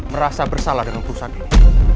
merasa bersalah dengan putusan ini